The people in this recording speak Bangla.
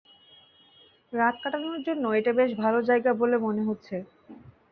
রাত কাটানোর জন্য এটা বেশ ভাল জায়গা বলে মনে হচ্ছে।